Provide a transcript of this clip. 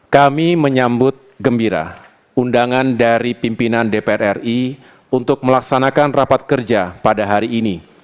kami menyambut gembira undangan dari pimpinan dpr ri untuk melaksanakan rapat kerja pada hari ini